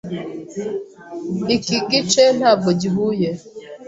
Iki gice ntabwo gihuye.